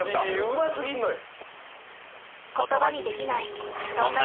うますぎんのよ！